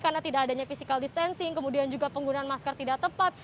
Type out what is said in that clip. karena tidak adanya physical distancing kemudian juga penggunaan masker tidak tepat